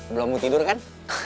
belum mau tidur kan